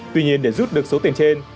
tuy nhiên để rút được số tiền trên